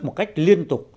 một cách liên tục